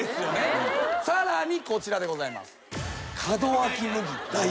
さらにこちらでございます。